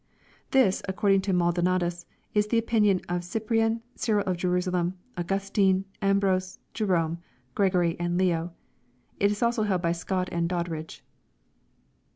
This, according to Maldonatus, is the opinion of Cyprian, Cyril of Jerusalem, Augus tine, Ambrose. Jerome, Gregory, and Leo. It is also held by Scott and Doddndfire.